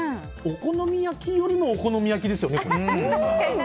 お好み焼きよりもお好み焼きですよね。